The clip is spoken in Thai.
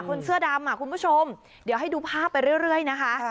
คนเสื้อดำอ่ะคุณผู้ชมเดี๋ยวให้ดูภาพไปเรื่อยเรื่อยนะคะ